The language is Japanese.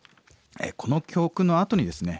この曲のあとにですね